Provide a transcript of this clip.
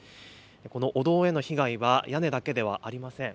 このお堂への被害は屋根だけではありません。